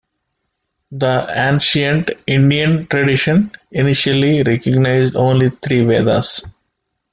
The ancient Indian tradition initially recognized only three Vedas.